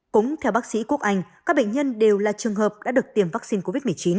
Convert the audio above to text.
cũng theo bác sĩ quốc anh các bệnh nhân đều là trường hợp đã được tiêm vaccine covid một mươi chín